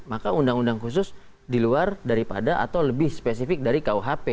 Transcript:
maka undang undang khusus di luar daripada atau lebih spesifik dari kuhp